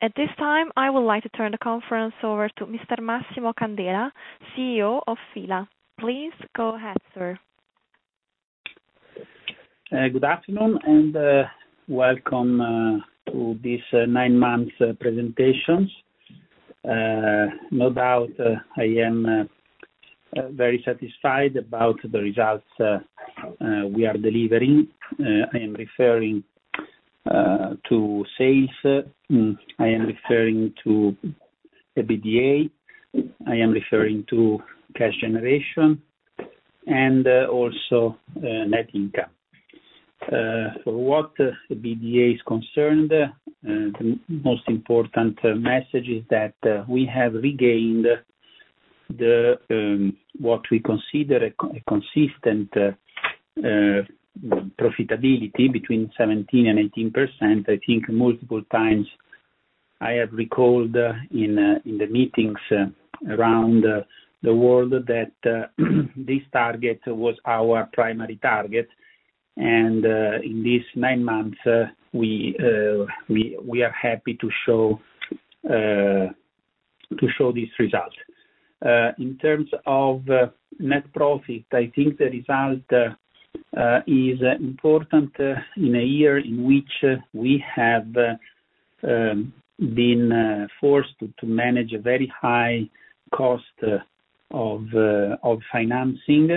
At this time, I would like to turn the conference over to Mr. Massimo Candela, CEO of F.I.L.A. Please go ahead, sir. Good afternoon, and welcome to this nine months presentations. No doubt, I am very satisfied about the results we are delivering. I am referring to sales. I am referring to the EBITDA. I am referring to cash generation and also net income. So what the EBITDA is concerned, the most important message is that we have regained the what we consider a consistent profitability between 17% and 18%. I think multiple times I have recalled in the meetings around the world that this target was our primary target, and in these nine months we are happy to show these results. In terms of net profit, I think the result is important in a year in which we have been forced to manage a very high cost of financing,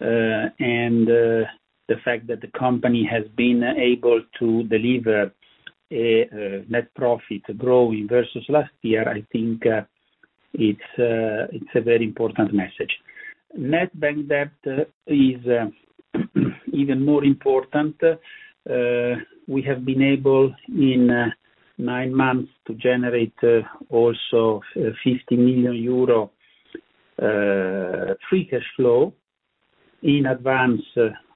and the fact that the company has been able to deliver a net profit growing versus last year, I think it's a very important message. Net bank debt is even more important. We have been able, in nine months, to generate also 50 million euro free cash flow in advance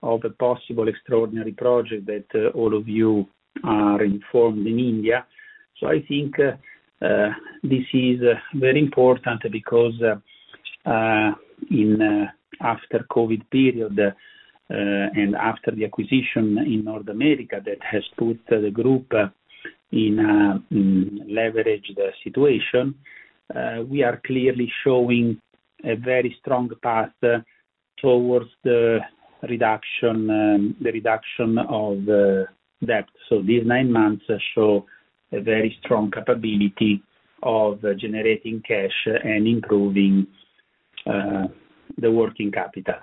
of a possible extraordinary project that all of you are informed in India. So I think this is very important because after COVID period and after the acquisition in North America that has put the group in a leveraged situation we are clearly showing a very strong path towards the reduction the reduction of the debt. So these nine months show a very strong capability of generating cash and improving the working capital.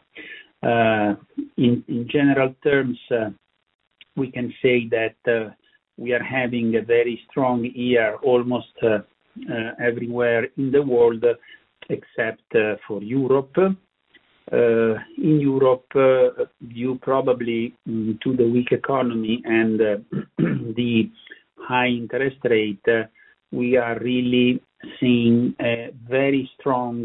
In general terms we can say that we are having a very strong year almost everywhere in the world except for Europe. In Europe due probably to the weak economy and the high interest rate we are really seeing a very strong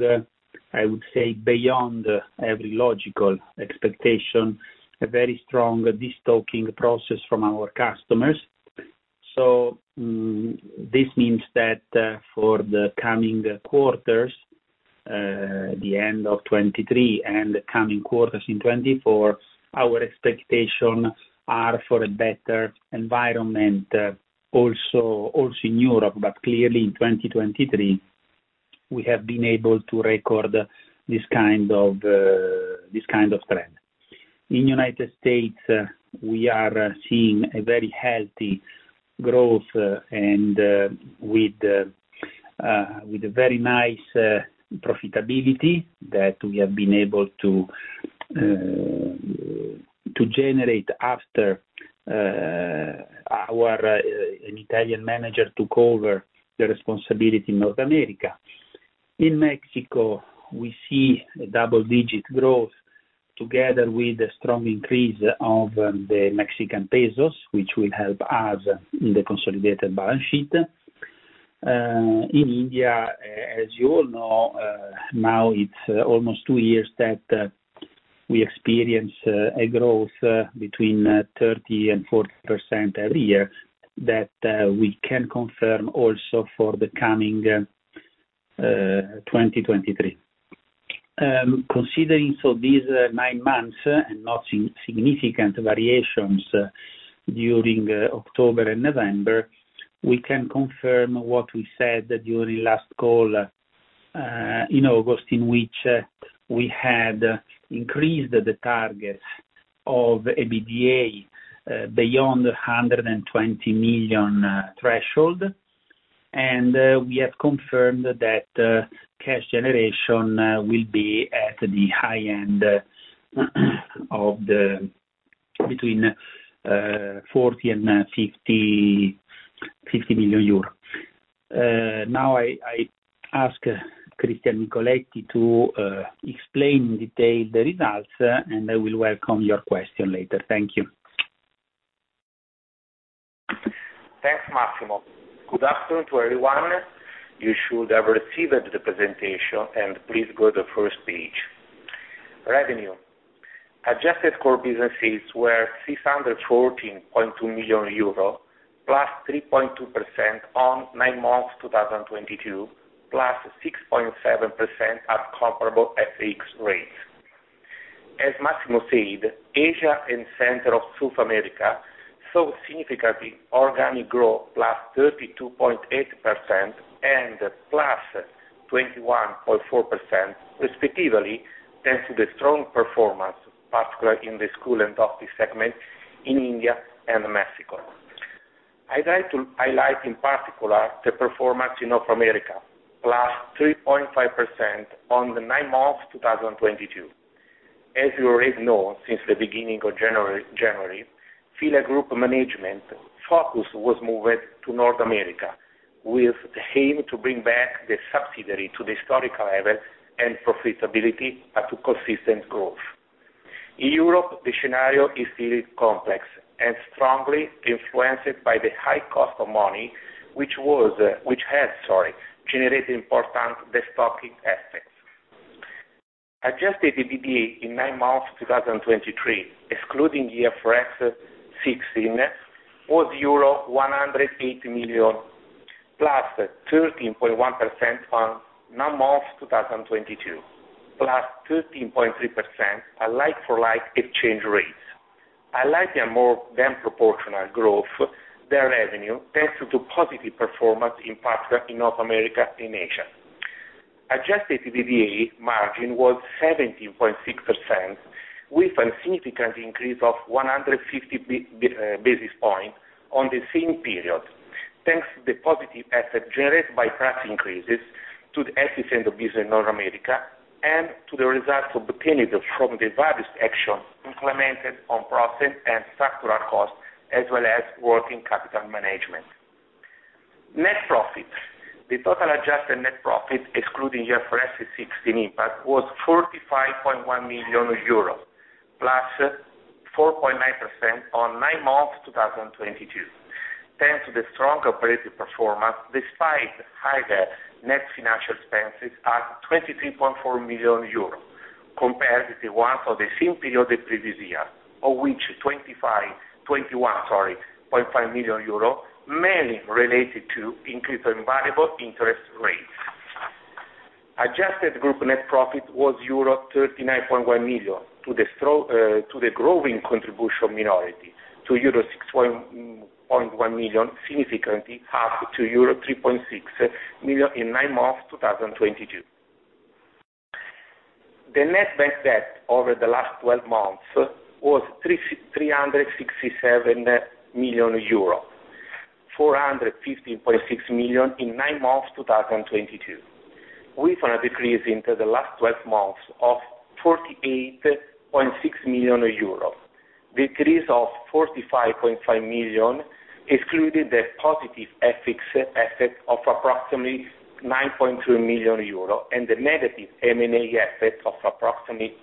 I would say beyond every logical expectation a very strong destocking process from our customers. So, this means that, for the coming quarters, the end of 2023 and the coming quarters in 2024, our expectations are for a better environment, also, also in Europe, but clearly in 2023, we have been able to record this kind of, this kind of trend. In United States, we are seeing a very healthy growth, and, with, with a very nice, profitability that we have been able to, to generate after, our, an Italian manager took over the responsibility in North America. In Mexico, we see a double-digit growth together with a strong increase of the Mexican peso, which will help us in the consolidated balance sheet. In India, as you all know, now it's almost two years that we experience a growth between 30% and 40% every year, that we can confirm also for the coming 2023. Considering these nine months and not significant variations during October and November, we can confirm what we said during last call in August, in which we had increased the targets of EBITDA beyond 120 million threshold. We have confirmed that cash generation will be at the high end of the between 40 and 50, 50 million euro. Now, I ask Cristian Nicoletti to explain in detail the results, and I will welcome your question later. Thank you. Thanks, Massimo. Good afternoon to everyone. You should have received the presentation, and please go to the first page. Revenue: Adjusted core business sales were 614.2 million euro, +3.2% on nine months, 2022, +6.7% at comparable FX rates.... As Massimo said, Asia and Central South America saw significantly organic growth, +32.8% and +21.4%, respectively, thanks to the strong performance, particularly in the school and office segment in India and Mexico. I'd like to highlight, in particular, the performance in North America, +3.5% on the nine months, 2022. As you already know, since the beginning of January, F.I.L.A. Group management focus was moved to North America, with the aim to bring back the subsidiary to the historical level and profitability at a consistent growth. In Europe, the scenario is still complex and strongly influenced by the high cost of money, which has generated important destocking effects. Adjusted EBITDA in nine months 2023, excluding the IFRS 16, was EUR 180 million, +13.1% on nine months 2022, +13.3% at a like-for-like exchange rate. It led to a more than proportional growth in their revenue, thanks to positive performance, in particular, in North America and Asia. Adjusted EBITDA margin was 17.6%, with a significant increase of 150 basis points on the same period, thanks to the positive effect generated by price increases due to the efficiency of business in North America and to the results obtained from the various actions implemented on process and structural costs, as well as working capital management. Net profit. The total adjusted net profit, excluding IFRS 16 impact, was EUR 45.1 million, +4.9% on nine months, 2022, thanks to the strong operating performance, despite higher net financial expenses at 23.4 million euros, compared to the one for the same period the previous year, of which 21.5 million euros, mainly related to the increase in variable interest rates. Adjusted group net profit was euro 39.1 million to the strong, to the growing contribution minority to euro 6.1 million, significantly half to euro 3.6 million in nine months 2022. The net bank debt over the last twelve months was 367 million euro, 450.6 million in nine months 2022, with a decrease into the last twelve months of 48.6 million euros. Decrease of 45.5 million, excluding the positive FX effect of approximately 9.2 million euros, and the negative M&A effect of approximately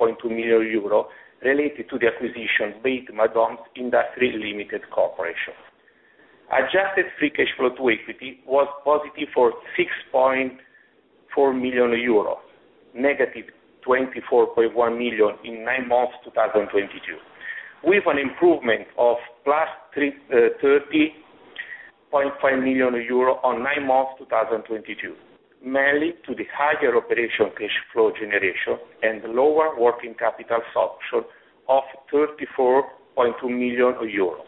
8.2 million euros, related to the acquisition made by DOMS Industries Limited. Adjusted free cash flow to equity was +6.4 million euros, -24.1 million in nine months 2022, with an improvement of +30.5 million euros on nine months 2022, mainly to the higher operational cash flow generation and lower working capital absorption of 34.2 million euro.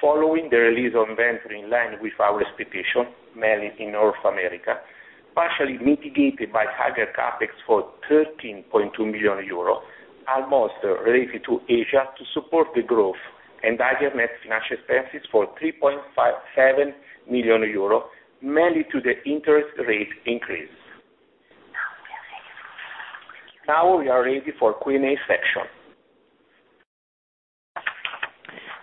Following the release on inventory, in line with our expectation, mainly in North America, partially mitigated by higher CapEx for 13.2 million euros, almost related to Asia, to support the growth and higher net financial expenses for 3.57 million euro, mainly to the interest rate increase. Now we are ready for Q&A session.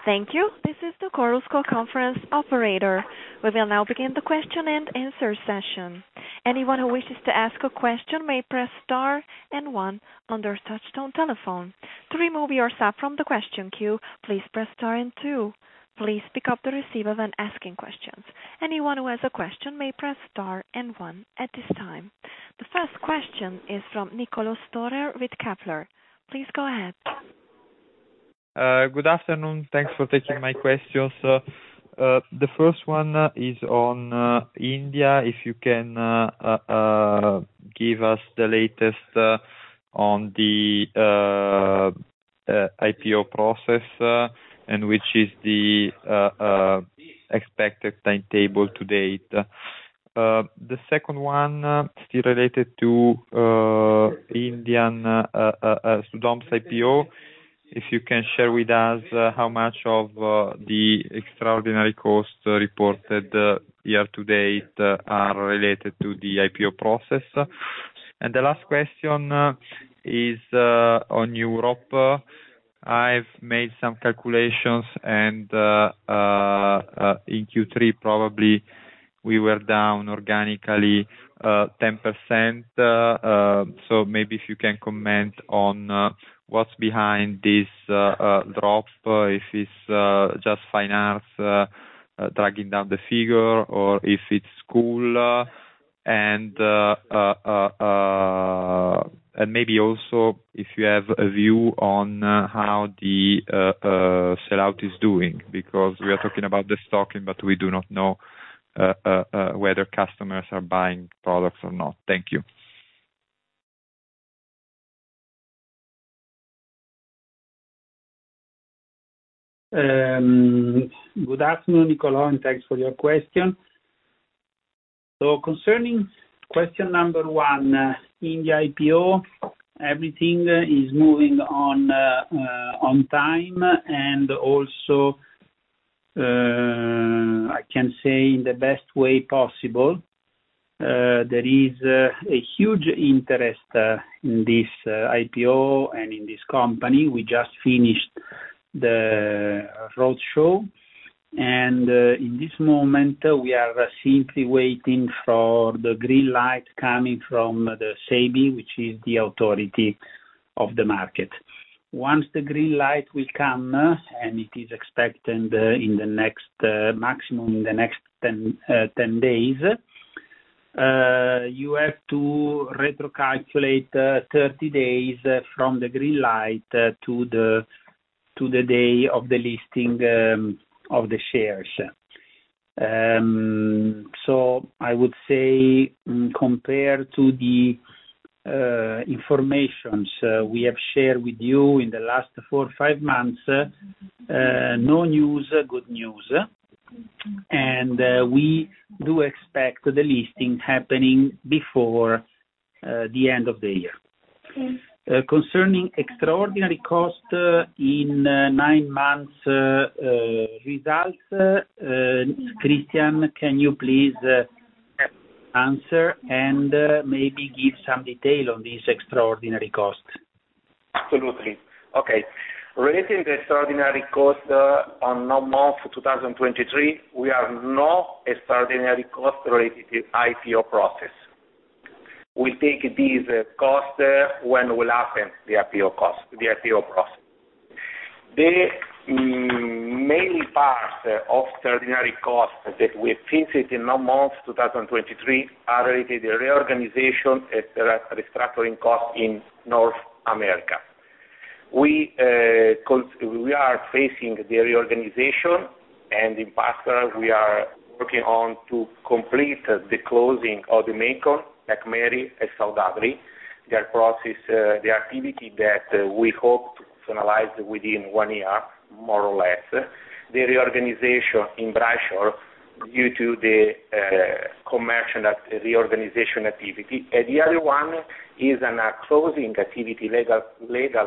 Thank you. This is the Chorus Call conference operator. We will now begin the question and answer session. Anyone who wishes to ask a question may press star and one on their touchtone telephone. To remove yourself from the question queue, please press star and two. Please pick up the receiver when asking questions. Anyone who has a question may press star and one at this time. The first question is from Niccolò Storer with Kepler. Please go ahead. Good afternoon. Thanks for taking my questions. The first one is on India, if you can give us the latest on the IPO process, and what is the expected timetable to date? The second one, still related to Indian DOMS's IPO. If you can share with us how much of the extraordinary costs reported year to date are related to the IPO process? The last question is on Europe. I've made some calculations and in Q3, probably we were down organically 10%, so maybe if you can comment on what's behind this drop, if it's just fine arts dragging down the figure or if it's school? Maybe also if you have a view on how the sellout is doing, because we are talking about the stocking, but we do not know whether customers are buying products or not? Thank you. Good afternoon, Nicola, and thanks for your question. So concerning question number one, India IPO, everything is moving on time, and also, I can say in the best way possible. There is a huge interest in this IPO and in this company. We just finished the road show, and in this moment, we are simply waiting for the green light coming from the SEBI, which is the authority of the market. Once the green light will come, and it is expected in the next maximum, in the next 10 days, you have to retrocalculate 30 days from the green light to the day of the listing of the shares. So I would say, compared to the information we have shared with you in the last four to five months, no news, good news. And we do expect the listing happening before the end of the year. Concerning extraordinary costs in nine months results, Cristian, can you please answer and maybe give some detail on these extraordinary costs? Absolutely. Okay. Regarding the extraordinary cost on nine months 2023, we have no extraordinary cost related to IPO process. We take these costs when will happen, the IPO cost, the IPO process. The main part of extraordinary costs that we faced in nine months 2023 are related reorganization and restructuring cost in North America. We are facing the reorganization, and in past, we are working on to complete the closing of the Macon, Mexico, and Saudi. That process, the activity that we hope to finalize within one year, more or less. The reorganization in Brazil, due to the commercialization reorganization activity. And the other one is a closing activity, legal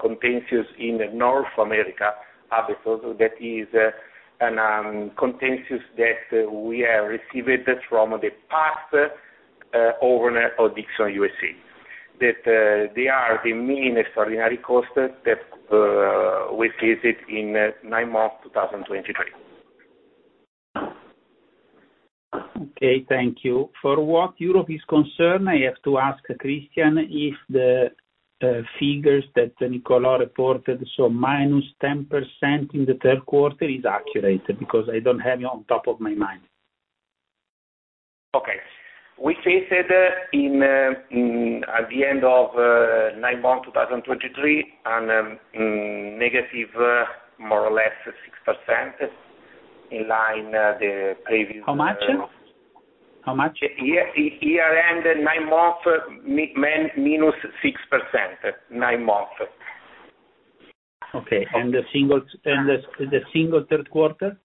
contentious in North America, also, that is a contentious that we have received from the past owner of Dixon, U.S. That they are the main extraordinary costs that we faced in nine months 2023. Okay, thank you. For what Europe is concerned, I have to ask Cristian if the figures that Nicola reported, so -10% in the third quarter, is accurate, because I don't have it on top of my mind. Okay. We faced it in at the end of nine months 2023, and negative, more or less, 6%, in line the previous- How much? How much? Year, year end, nine months, -6%. Nine months. Okay, and the single third quarter?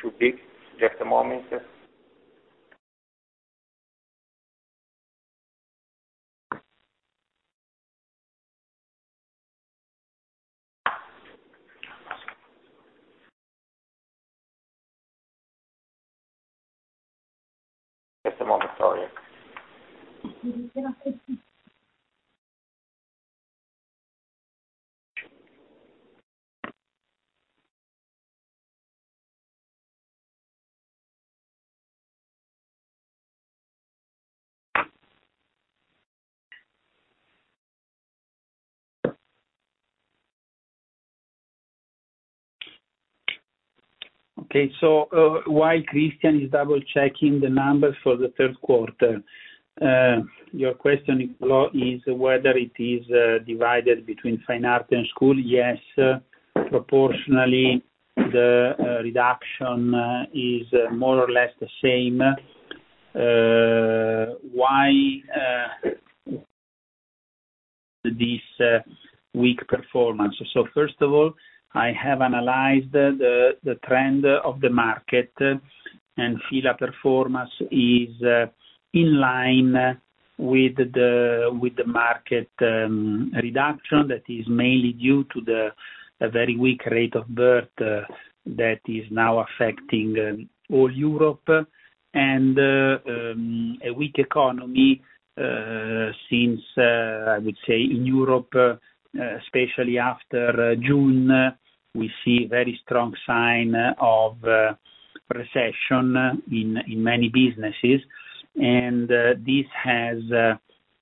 Should be. Just a moment. Just a moment for you. Okay, so, while Cristian is double-checking the numbers for the third quarter, your question, Nicola, is whether it is divided between Fine Art and School. Yes, proportionally, the reduction is more or less the same. Why this weak performance? So first of all, I have analyzed the trend of the market, and F.I.L.A. performance is in line with the market reduction that is mainly due to a very weak rate of birth that is now affecting all Europe. And a weak economy since I would say in Europe, especially after June, we see very strong sign of recession in many businesses, and this has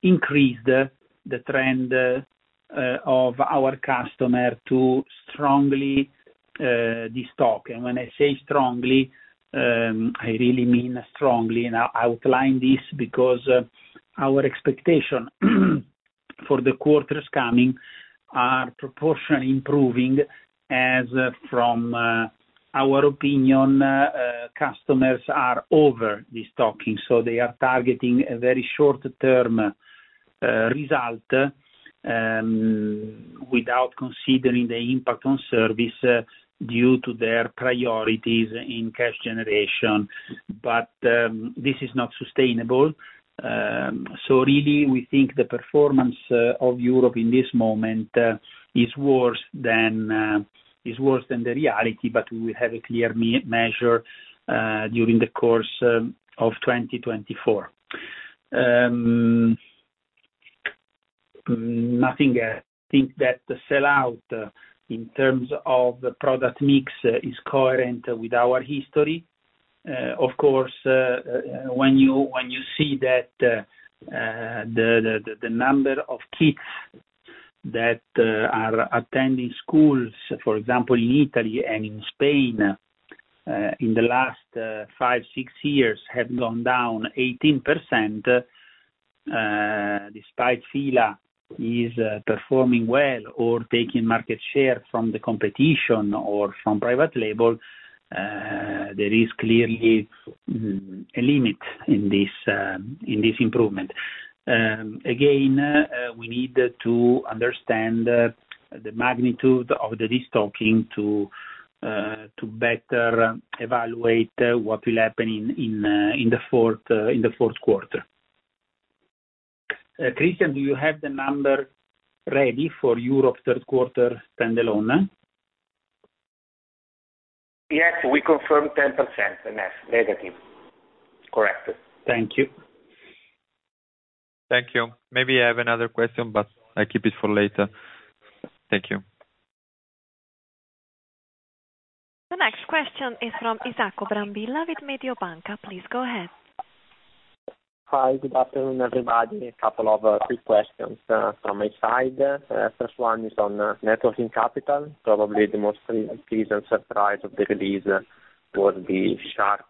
increased the trend of our customer to strongly destock. When I say strongly, I really mean strongly, and I outline this because our expectation for the quarters coming are proportionally improving as from our opinion, customers are overstocking, so they are targeting a very short-term result without considering the impact on service due to their priorities in cash generation. But this is not sustainable. So really, we think the performance of Europe in this moment is worse than the reality, but we have a clear measure during the course of 2024. We think that the sellout in terms of the product mix is coherent with our history. Of course, when you see that the number of kids that are attending schools, for example, in Italy and in Spain, in the last five, six years, have gone down 18%, despite F.I.L.A. is performing well or taking market share from the competition or from private label, there is clearly a limit in this improvement. Again, we need to understand the magnitude of the destocking to better evaluate what will happen in the fourth quarter. Cristian, do you have the number ready for Europe third quarter standalone? Yes, we confirm 10% net, negative. Correct. Thank you. Thank you. Maybe I have another question, but I keep it for later. Thank you. The next question is from Isacco Brambilla with Mediobanca. Please go ahead. Hi, good afternoon, everybody. A couple of quick questions from my side. First one is on net working capital. Probably the most pleasant surprise of the release would be sharp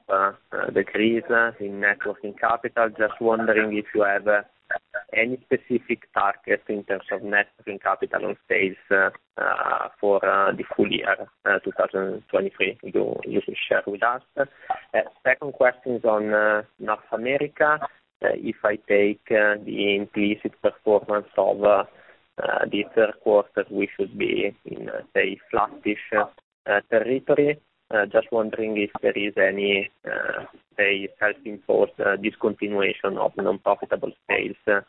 decrease in net working capital. Just wondering if you have any specific target in terms of net working capital on sales for the full year 2023 you should share with us. Second question is on North America. If I take the implicit performance of the third quarter, we should be in say flattish territory. Just wondering if there is any say helping force discontinuation of non-profitable sales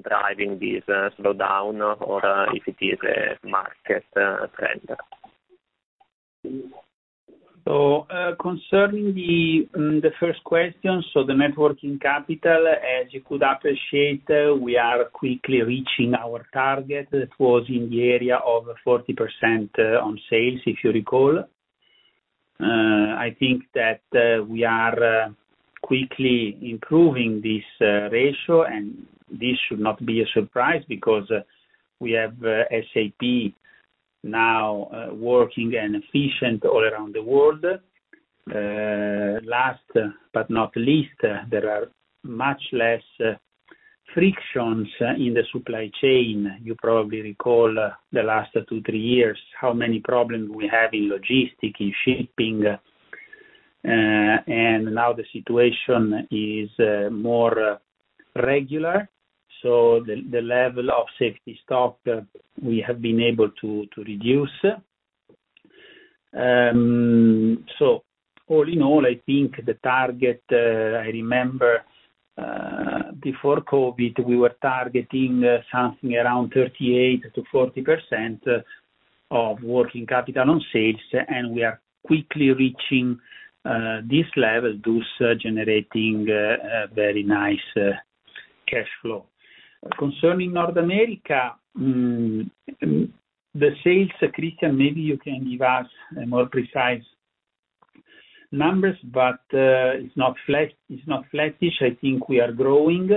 driving this slowdown or if it is a market trend? So, concerning the first question, so the net working capital, as you could appreciate, we are quickly reaching our target. It was in the area of 40% on sales, if you recall. I think that we are quickly improving this ratio, and this should not be a surprise because we have SAP now working and efficient all around the world. Last but not least, there are much less frictions in the supply chain. You probably recall the last two to three years, how many problems we have in logistics, in shipping, and now the situation is more regular, so the level of safety stock we have been able to reduce. So all in all, I think the target, I remember, before COVID, we were targeting something around 38%-40% of working capital on sales, and we are quickly reaching this level, thus generating a very nice cash flow. Concerning North America, the sales, Cristian, maybe you can give us more precise numbers, but it's not flat, it's not flattish. I think we are growing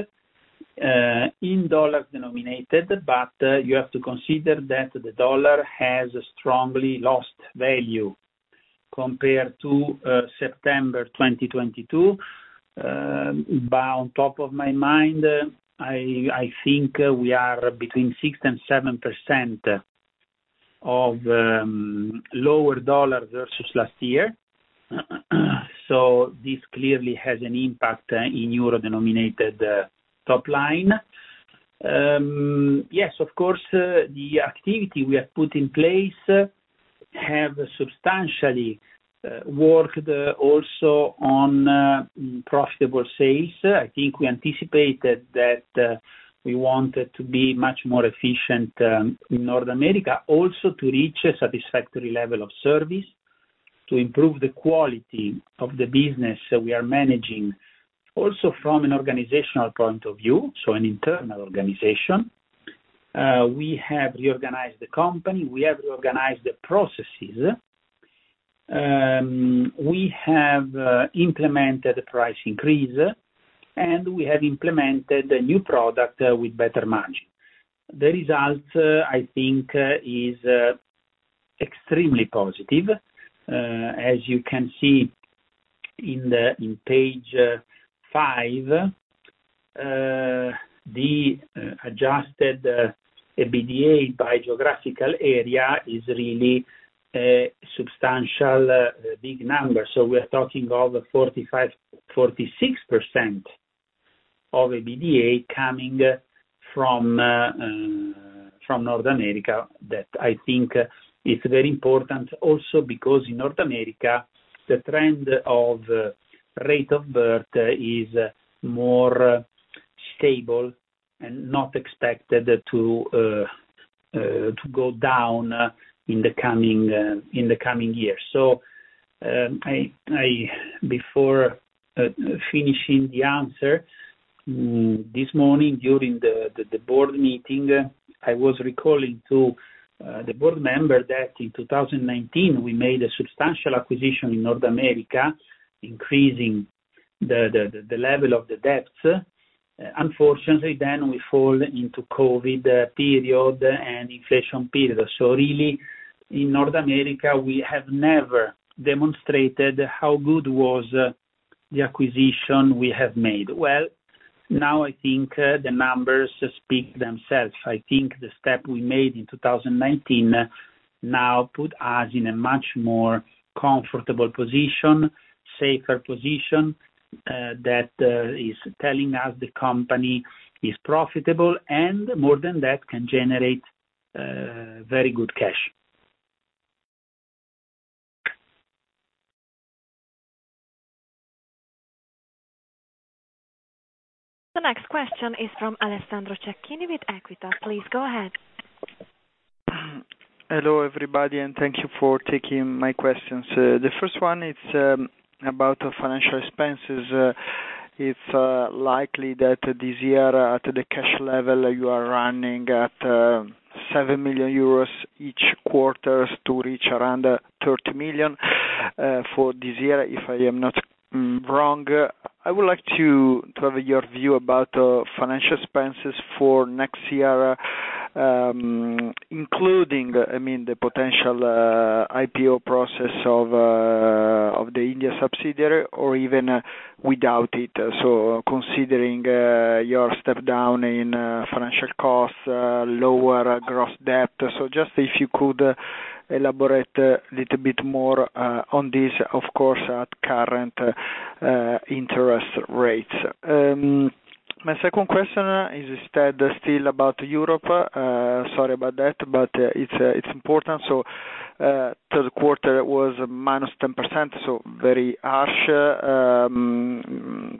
in dollar-denominated, but you have to consider that the dollar has strongly lost value compared to September 2022. But on top of my mind, I, I think we are between 6% and 7% of lower dollar versus last year. So this clearly has an impact in euro-denominated top line. Yes, of course, the activity we have put in place have substantially worked also on profitable sales. I think we anticipated that we wanted to be much more efficient in North America, also to reach a satisfactory level of service, to improve the quality of the business that we are managing. Also, from an organizational point of view, so an internal organization, we have reorganized the company, we have reorganized the processes, we have implemented a price increase, and we have implemented a new product with better margin. The result, I think, is extremely positive. As you can see in page five, the adjusted EBITDA by geographical area is really a substantial big number. So we are talking of 45%-46% of EBITDA coming from North America, that I think is very important also because in North America, the trend of birth rate is more stable and not expected to go down in the coming years. Before finishing the answer, this morning, during the board meeting, I was recalling to the board member that in 2019, we made a substantial acquisition in North America, increasing the level of the debt. Unfortunately, then we fall into COVID period and inflation period. So really, in North America, we have never demonstrated how good was the acquisition we have made. Well, now I think the numbers speak themselves. I think the step we made in 2019 now put us in a much more comfortable position, safer position, that is telling us the company is profitable, and more than that, can generate very good cash. The next question is from Alessandro Cecchini with Equita. Please, go ahead. Hello, everybody, and thank you for taking my questions. The first one, it's about financial expenses. It's likely that this year, at the cash level, you are running at 7 million euros each quarter to reach around 30 million for this year, if I am not wrong. I would like to have your view about financial expenses for next year, including, I mean, the potential IPO process of the India subsidiary or even without it. So considering your step down in financial costs, lower gross debt. So just if you could elaborate a little bit more on this, of course, at current interest rates. My second question is instead still about Europe. Sorry about that, but it's important. So, third quarter was -10%, so very harsh.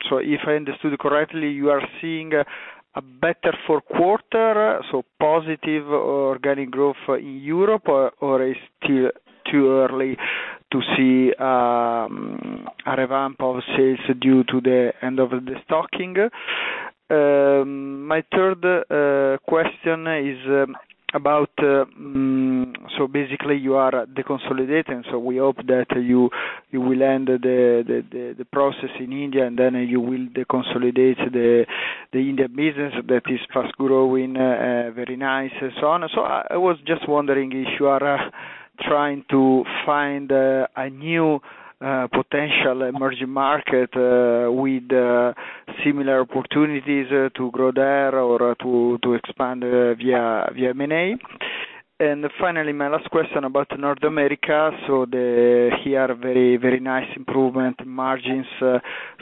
So if I understood correctly, you are seeing a better fourth quarter, so positive organic growth in Europe or is still too early to see a revamp of sales due to the end of the destocking? My third question is about... So basically, you are deconsolidating, so we hope that you will end the process in India, and then you will deconsolidate the India business that is fast growing, very nice and so on. So I was just wondering if you are trying to find a new potential emerging market with similar opportunities to grow there or to expand via M&A? Finally, my last question about North America, very, very nice improvement margins,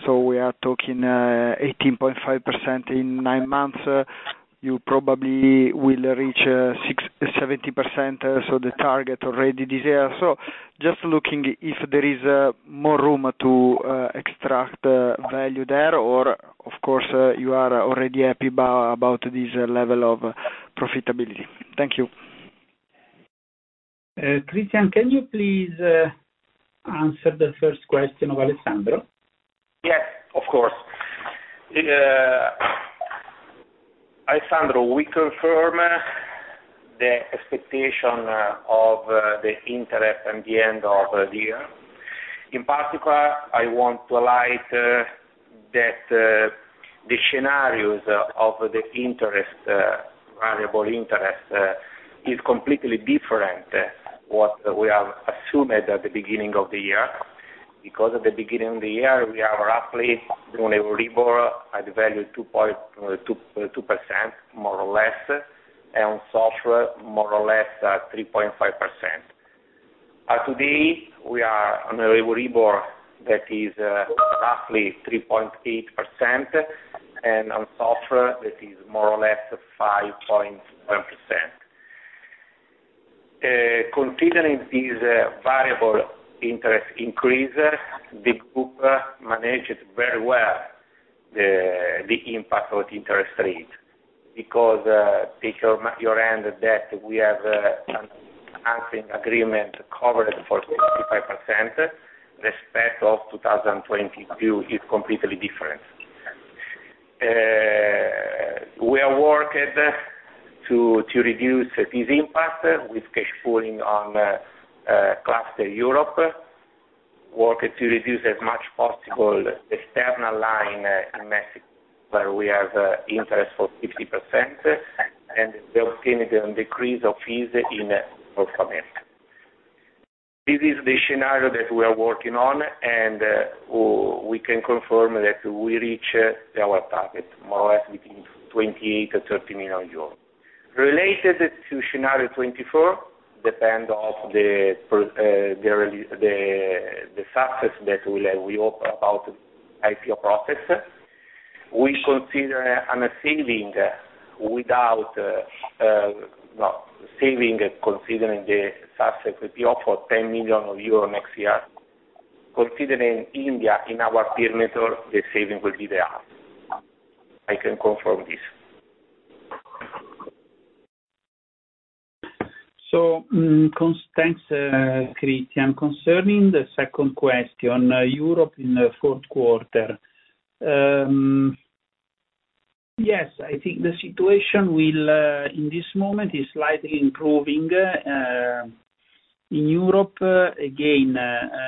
we are talking 18.5% in nine months. You probably will reach 16%-17%, the target already this year. Just looking if there is more room to extract value there, or of course, you are already happy about this level of profitability. Thank you. Cristian, can you please answer the first question of Alessandro? Yes, of course. Alessandro, we confirm the expectation of the interest at the end of the year. In particular, I want to highlight that the scenarios of the interest, variable interest, is completely different what we have assumed at the beginning of the year. Because at the beginning of the year, we are roughly doing a Euribor at the value 2.2%, more or less, and SOFR, more or less, 3.5%. Today, we are on a Euribor that is roughly 3.8%, and on SOFR that is more or less 5.1%. Considering this variable interest increase, the group managed very well the impact of the interest rate, because taking into account that we have an agreement covered for 35%. The effect of 2022 is completely different. We are working to reduce this impact with cash pooling on cluster Europe, working to reduce as much as possible the external line in Mexico... where we have interest for 50%, and we obtain a decrease of fees in North America. This is the scenario that we are working on, and we can confirm that we reach our target, more or less between 28 million-30 million euros. Related to scenario 2024, depend of the per, the release, the success that we'll have, we hope about IPO process. We consider on a saving without, well, saving, considering the success IPO for 10 million euro next year. Considering India in our perimeter, the saving will be there. I can confirm this. So, thanks, Cristian. Concerning the second question, Europe in the fourth quarter. Yes, I think the situation will, in this moment, is slightly improving. In Europe, again,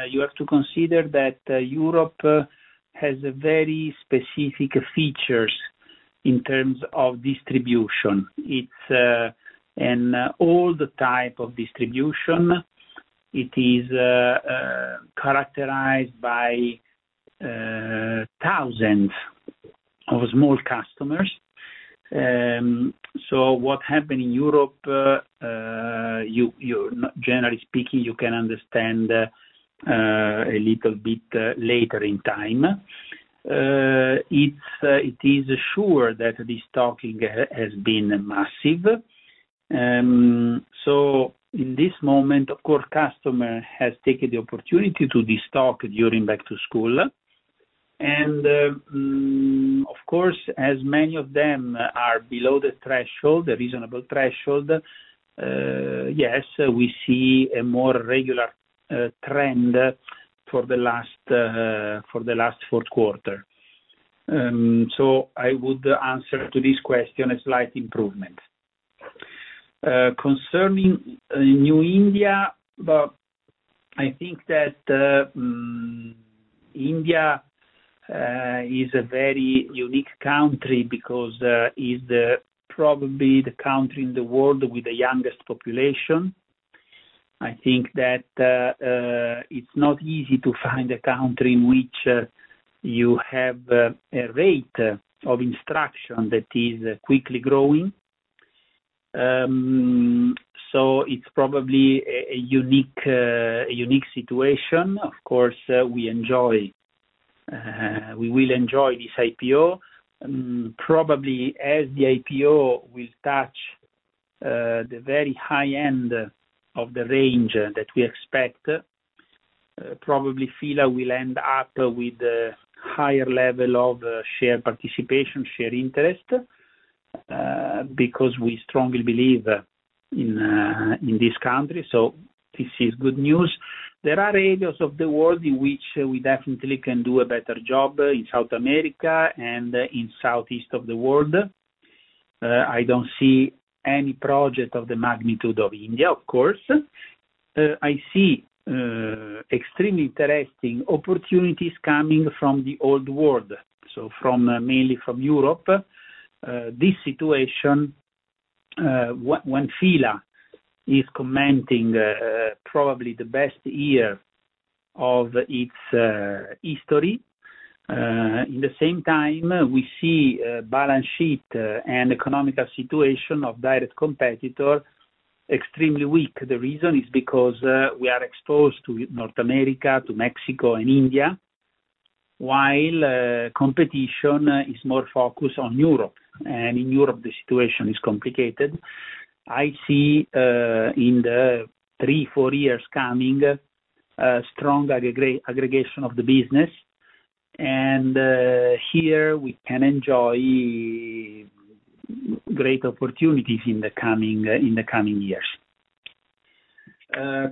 you have to consider that Europe has a very specific features in terms of distribution. It's an old type of distribution. It is characterized by thousands of small customers. So what happened in Europe, generally speaking, you can understand a little bit later in time. It's sure that this destocking has been massive. So in this moment, of course, customer has taken the opportunity to destock during back to school. Of course, as many of them are below the threshold, the reasonable threshold, yes, we see a more regular trend for the last fourth quarter. So, I would answer to this question: a slight improvement. Concerning India, but I think that India is a very unique country because is probably the country in the world with the youngest population. I think that it's not easy to find a country in which you have a rate of instruction that is quickly growing. So, it's probably a unique situation. Of course, we will enjoy this IPO. Probably as the IPO will touch the very high end of the range that we expect, probably F.I.L.A. will end up with a higher level of share participation, share interest, because we strongly believe in this country, so this is good news. There are areas of the world in which we definitely can do a better job, in South America and in Southeast of the world. I don't see any project of the magnitude of India, of course. I see extremely interesting opportunities coming from the old world, so from, mainly from Europe. This situation, when F.I.L.A. is commenting probably the best year of its history, in the same time, we see a balance sheet and economical situation of direct competitor extremely weak. The reason is because we are exposed to North America, to Mexico and India, while competition is more focused on Europe, and in Europe, the situation is complicated. I see in the three, four years coming, a strong aggregation of the business, and here we can enjoy great opportunities in the coming, in the coming years.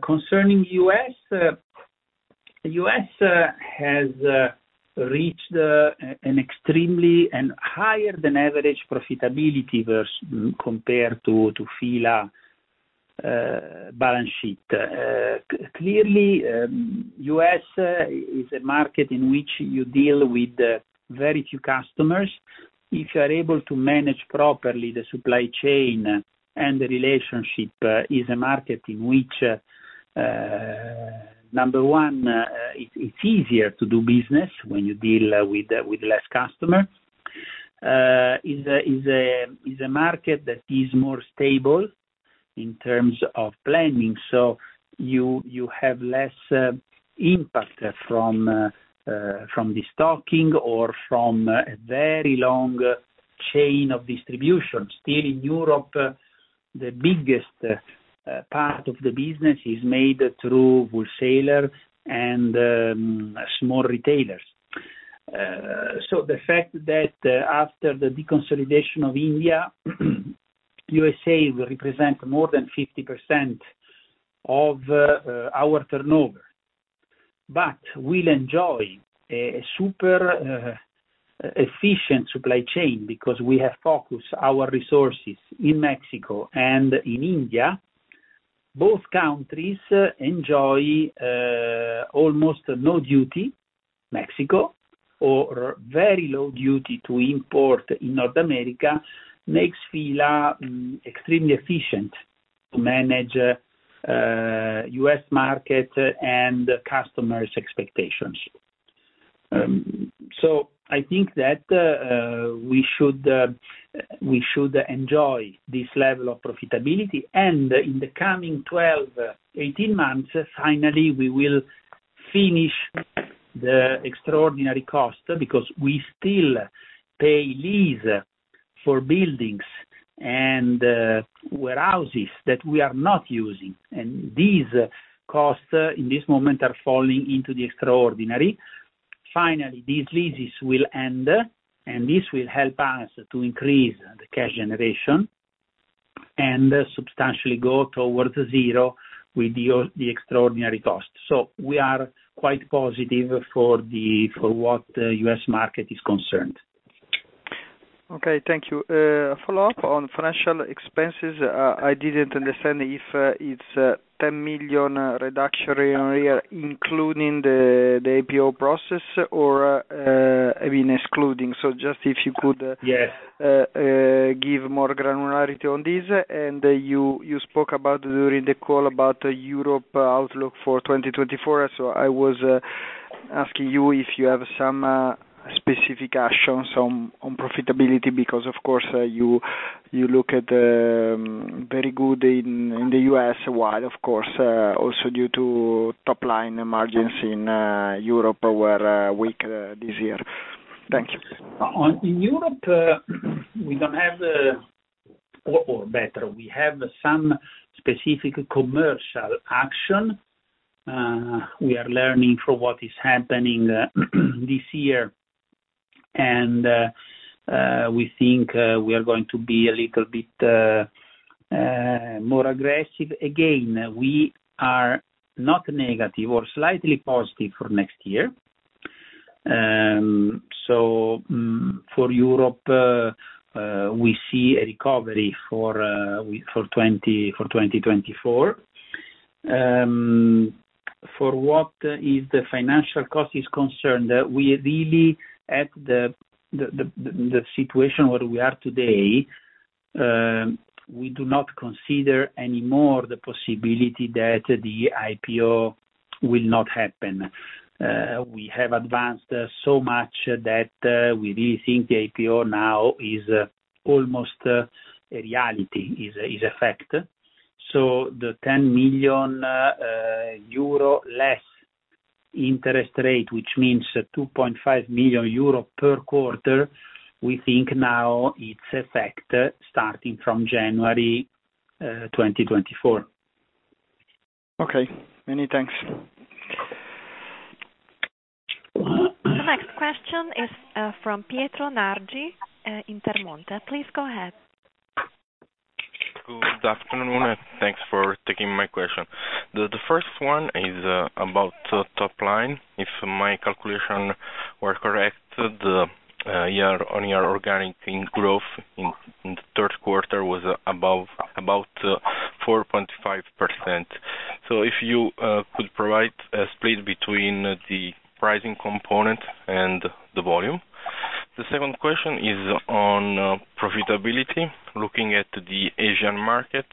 Concerning U.S., U.S. has reached an extremely and higher than average profitability versus compared to F.I.L.A. balance sheet. Clearly, U.S. is a market in which you deal with very few customers. If you are able to manage properly the supply chain and the relationship, is a market in which number one, it's easier to do business when you deal with less customers. is a market that is more stable in terms of planning, so you have less impact from the stocking or from a very long chain of distribution. Still, in Europe, the biggest part of the business is made through wholesaler and small retailers. So the fact that after the deconsolidation of India, USA will represent more than 50% of our turnover, but we'll enjoy a super efficient supply chain because we have focused our resources in Mexico and in India, both countries enjoy almost no duty, Mexico, or very low duty to import in North America, makes F.I.L.A. extremely efficient to manage U.S. market and customers' expectations. So I think that we should enjoy this level of profitability, and in the coming 12-18 months, finally, we will finish the extraordinary cost, because we still pay lease for buildings and warehouses that we are not using, and these costs, in this moment, are falling into the extraordinary. Finally, these leases will end, and this will help us to increase the cash generation and substantially go towards zero with the extraordinary cost. So we are quite positive for what the U.S. market is concerned. Okay, thank you. Follow up on financial expenses, I didn't understand if it's 10 million reduction including the IPO process or, I mean, excluding. So just if you could- Yes. Give more granularity on this. And you, you spoke about during the call about Europe outlook for 2024. So I was asking you if you have some specific actions on profitability, because, of course, you, you look at very good in the U.S., while of course, also due to top line margins in Europe were weak this year. Thank you. In Europe, we don't have the – or better, we have some specific commercial action. We are learning from what is happening this year, and we think we are going to be a little bit more aggressive. Again, we are not negative or slightly positive for next year. So, for Europe, we see a recovery for 2024. For what is the financial cost is concerned, we really at the situation where we are today, we do not consider any more the possibility that the IPO will not happen. We have advanced so much that we really think the IPO now is almost a reality, is a fact. The 10 million euro less interest rate, which means 2.5 million euro per quarter, we think now it's a fact starting from January 2024. Okay. Many thanks. The next question is from Pietro Nargi, Intermonte. Please go ahead. Good afternoon, and thanks for taking my question. The first one is about top line. If my calculation were correct, the year-on-year organic growth in the third quarter was above about 4.5%. So if you could provide a split between the pricing component and the volume. The second question is on profitability. Looking at the Asian market,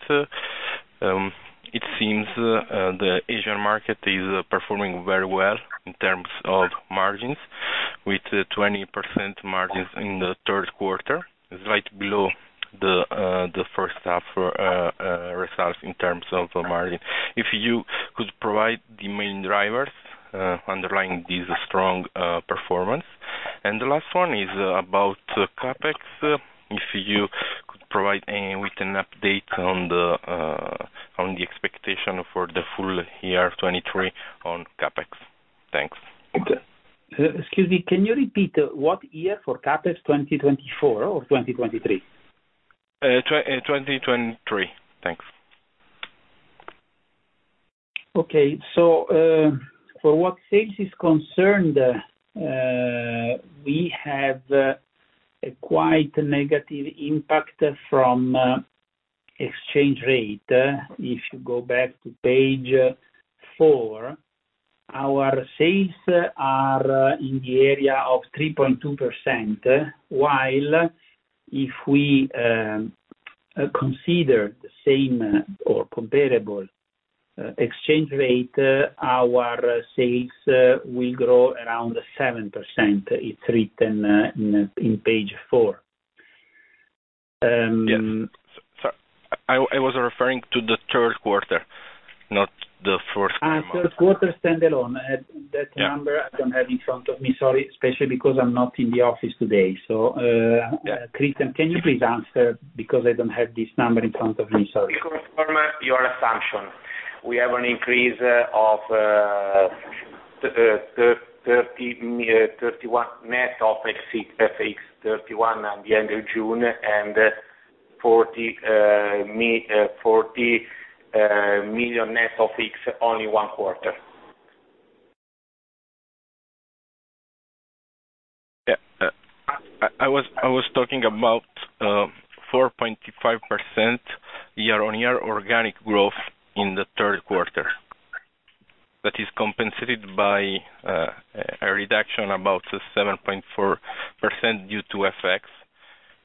it seems the Asian market is performing very well in terms of margins, with 20% margins in the third quarter, right below the first half results in terms of the margin. If you could provide the main drivers underlying this strong performance. And the last one is about CapEx. If you could provide with an update on the expectation for the full year 2023 on CapEx. Thanks. Okay. Excuse me, can you repeat what year for CapEx, 2024 or 2023? 2023. Thanks. Okay. So, for what sales is concerned, we have a quite negative impact from exchange rate. If you go back to page four, our sales are in the area of 3.2%, while if we consider the same or comparable exchange rate, our sales will grow around 7%. It's written in page four. Yes. So I was referring to the third quarter, not the first quarter. Third quarter standalone. That number- Yeah. I don't have in front of me. Sorry, especially because I'm not in the office today. So, Yeah. Cristian, can you please answer? Because I don't have this number in front of me, sorry. We confirm your assumption. We have an increase of 31 million net of FX, 31 at the end of June and 40 million net of FX, only one quarter.... I was talking about 4.5% year-on-year organic growth in the third quarter. That is compensated by a reduction about 7.4% due to effects,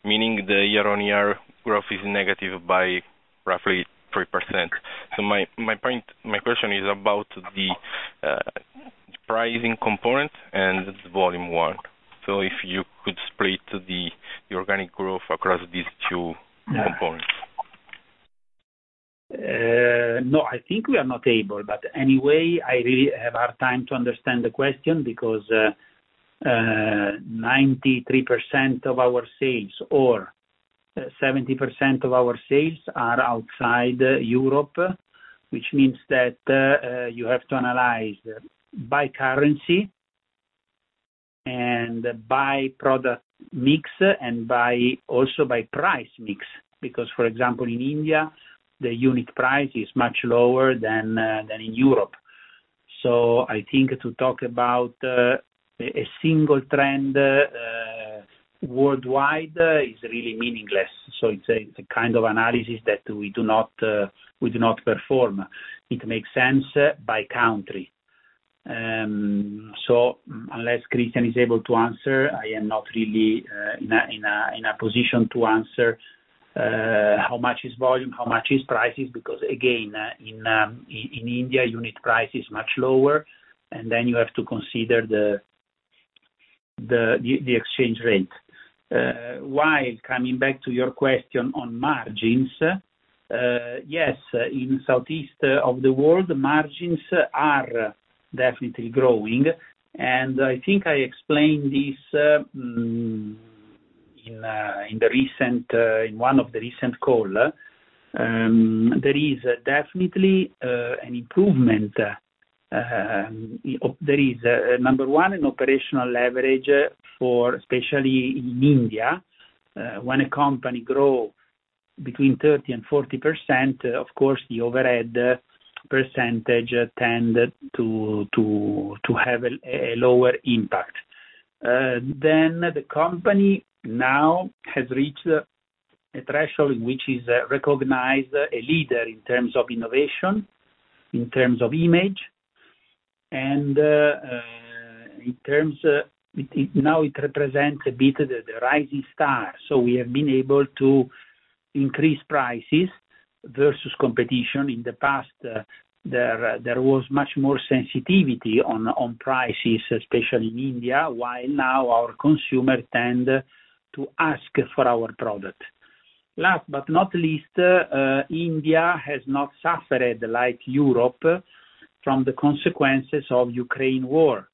meaning the year-on-year growth is negative by roughly 3%. So my point, my question is about the pricing component and the volume one. So if you could split the organic growth across these two components. No, I think we are not able, but anyway, I really have a hard time to understand the question because 93% of our sales or 70% of our sales are outside Europe, which means that you have to analyze by currency and by product mix, and by, also by price mix, because for example, in India, the unit price is much lower than than in Europe. So I think to talk about a single trend worldwide is really meaningless. So it's a, it's a kind of analysis that we do not, we do not perform. It makes sense by country. So unless Cristian is able to answer, I am not really in a position to answer how much is volume, how much is pricing, because, again, in India, unit price is much lower, and then you have to consider the exchange rate. While coming back to your question on margins, yes, in southeast of the world, margins are definitely growing, and I think I explained this in one of the recent call. There is definitely an improvement. There is number one, an operational leverage for, especially in India, when a company grow between 30% and 40%, of course, the overhead percentage tend to have a lower impact. Then the company now has reached a threshold which is recognized a leader in terms of innovation, in terms of image, and now it represents a bit of the rising star. So we have been able to increase prices versus competition. In the past, there was much more sensitivity on prices, especially in India, while now our consumers tend to ask for our product. Last, but not least, India has not suffered like Europe from the consequences of Ukraine war.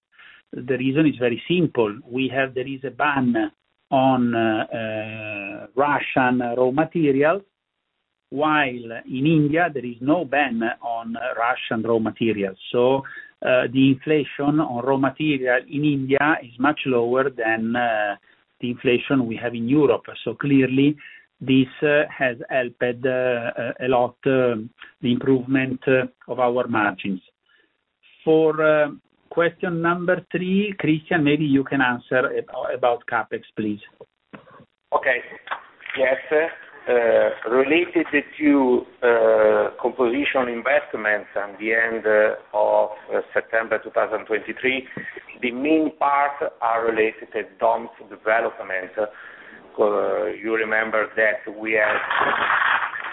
The reason is very simple: there is a ban on Russian raw materials, while in India, there is no ban on Russian raw materials. So the inflation on raw material in India is much lower than the inflation we have in Europe. So clearly, this has helped a lot the improvement of our margins. For question number three, Cristian, maybe you can answer about CapEx, please. Okay. Yes, related to composition investments at the end of September 2023, the main parts are related to DOMS's development. You remember that we have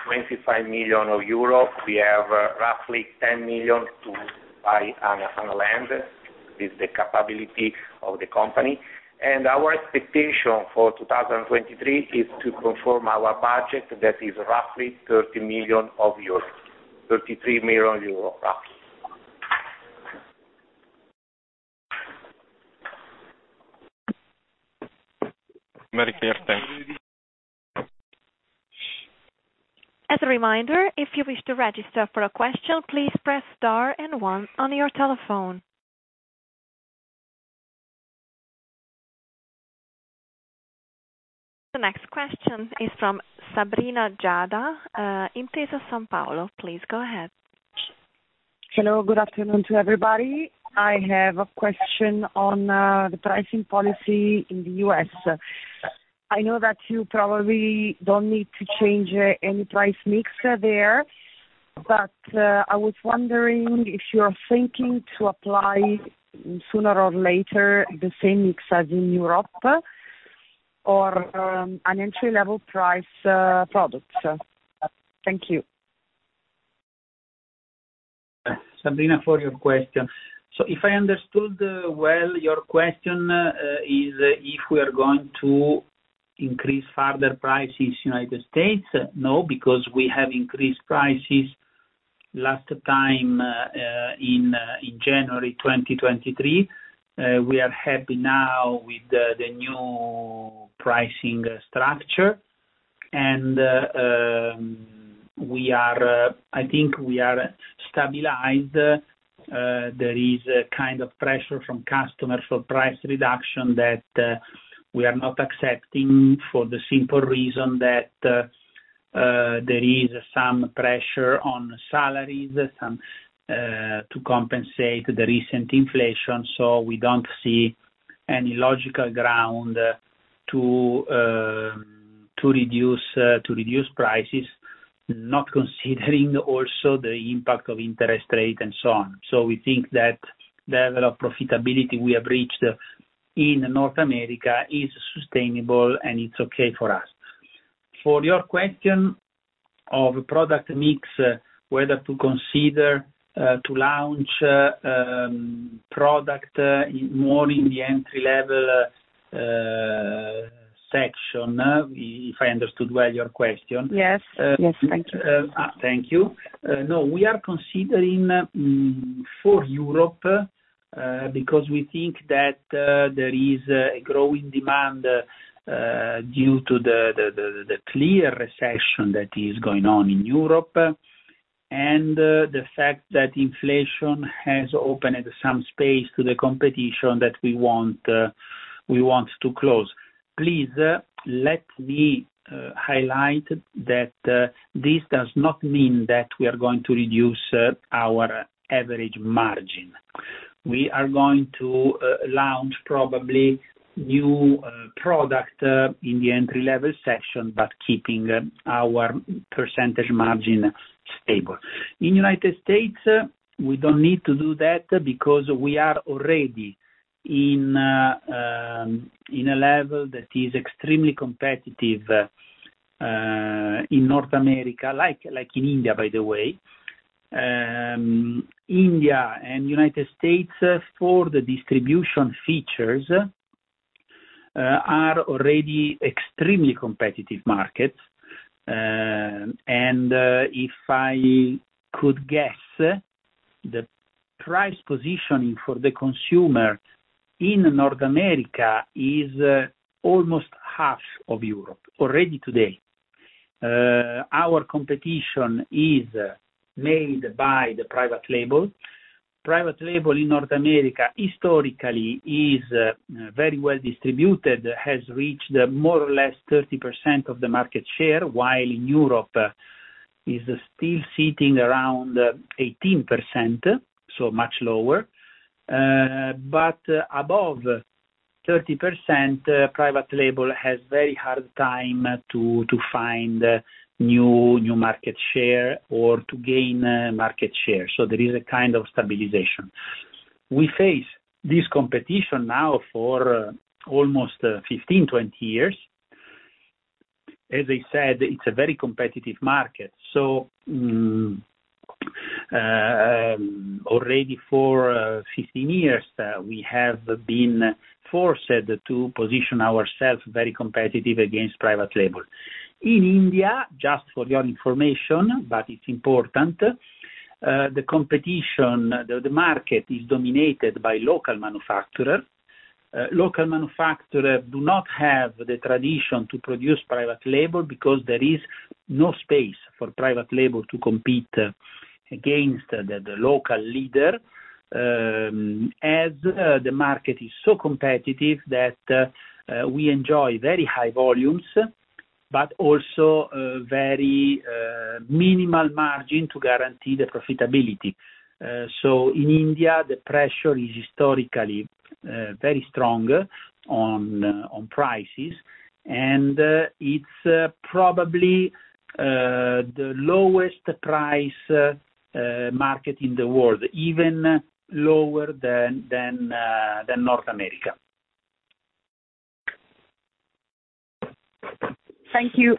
25 million euro. We have roughly 10 million to buy on a land, with the capability of the company. And our expectation for 2023 is to confirm our budget, that is roughly 30 million euros, 33 million euros, roughly. Very clear. Thanks. As a reminder, if you wish to register for a question, please press star and one on your telephone. The next question is from Sabrina Preda, Intesa Sanpaolo. Please go ahead. Hello, good afternoon to everybody. I have a question on the pricing policy in the U.S. I know that you probably don't need to change any price mix there, but I was wondering if you are thinking to apply, sooner or later, the same mix as in Europe or an entry-level price products? Thank you. Sabrina, for your question. So if I understood, well, your question, is if we are going to increase further prices in United States? No, because we have increased prices last time, in January 2023. We are happy now with the new pricing structure, and we are, I think we are stabilized. There is a kind of pressure from customers for price reduction that we are not accepting for the simple reason that there is some pressure on salaries, some to compensate the recent inflation, so we don't see any logical ground to reduce prices, not considering also the impact of interest rate and so on. So we think that the level of profitability we have reached in North America is sustainable, and it's okay for us. For your question of product mix, whether to consider to launch product more in the entry-level section, if I understood well your question? Yes. Yes, thank you. Thank you. No, we are considering for Europe because we think that there is a growing demand due to the clear recession that is going on in Europe, and the fact that inflation has opened some space to the competition that we want to close. Please, let me highlight that this does not mean that we are going to reduce our average margin. We are going to launch probably new product in the entry-level section, but keeping our percentage margin stable. In United States, we don't need to do that because we are already in a level that is extremely competitive in North America, like in India, by the way. India and United States, for the distribution features, are already extremely competitive markets. If I could guess, the price positioning for the consumer in North America is almost half of Europe already today. Our competition is made by the private label. Private label in North America, historically, is very well distributed, has reached more or less 30% of the market share, while in Europe is still sitting around 18%, so much lower. But above 30%, private label has very hard time to find new market share or to gain market share. So there is a kind of stabilization. We face this competition now for almost 15-20 years. As I said, it's a very competitive market. So already for 15 years, we have been forced to position ourselves very competitive against private label. In India, just for your information, but it's important, the competition, the market is dominated by local manufacturer. Local manufacturer do not have the tradition to produce private label because there is no space for private label to compete against the local leader, as the market is so competitive that we enjoy very high volumes, but also a very minimal margin to guarantee the profitability. So in India, the pressure is historically very strong on prices, and it's probably the lowest price market in the world, even lower than North America. Thank you.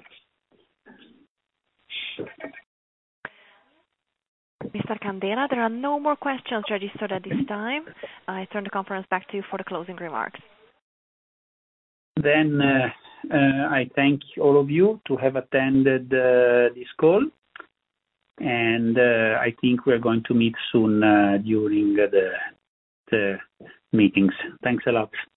Mr. Candela, there are no more questions registered at this time. I turn the conference back to you for the closing remarks. I thank all of you to have attended this call, and I think we're going to meet soon during the meetings. Thanks a lot.